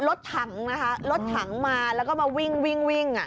รถถังนะคะรถถังมาแล้วก็มาวิ่งวิ่งวิ่ง